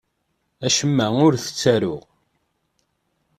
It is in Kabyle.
Acemma ur t-ttaruɣ.